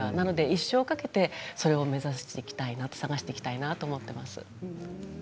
一生かけて、それを目指していきたい探していきたいと思っています。